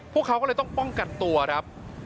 พวกเขาก็เลยต้องป้องกันตัวครับ